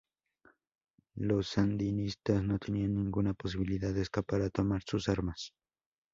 Los sandinistas no tenían ninguna posibilidad de escapar o tomar sus armas.